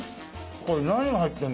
これ何が入ってるの？